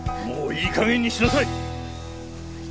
もういい加減にしなさい！